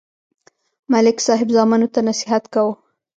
ملک صاحب زامنو ته نصیحت کاوه.